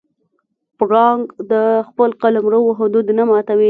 پړانګ د خپل قلمرو حدود نه ماتوي.